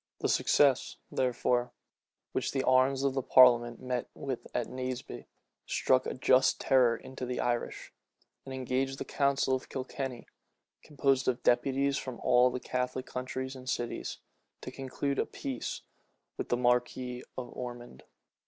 The success, therefore, which the arms of the parliament met with at Naseby, struck a just terror into the Irish; and engaged the council of Kilkenny, composed of deputies from all the Catholic counties and cities, to conclude a peace with the marquis of Ormond.